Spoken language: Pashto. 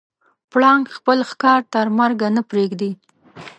پړانګ خپل ښکار تر مرګه نه پرېږدي.